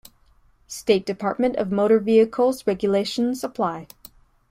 State Department of Motor Vehicles regulations apply.